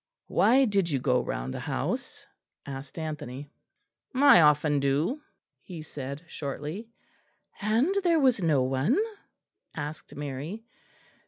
"Why did you go round the house?" asked Anthony. "I often do," he said shortly. "And there was no one?" asked Mary.